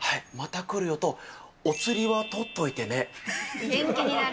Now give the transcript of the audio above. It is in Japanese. また来るよと、お釣りは取っ元気になる。